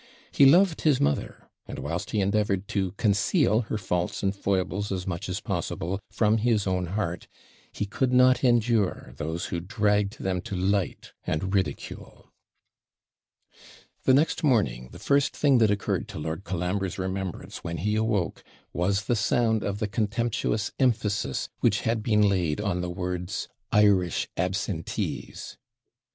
He loved his mother; and, whilst he endeavoured to conceal her faults and foibles as much as possible from his own heart, he could not endure those who dragged them to light and ridicule. The next morning the first thing that occurred to Lord Colambre's remembrance when he awoke was the sound of the contemptuous emphasis which had been laid on the words IRISH ABSENTEES!